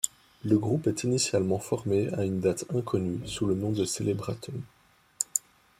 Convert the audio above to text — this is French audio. Le groupe est initialement formé à une date inconnue sous le nom de Celebratum.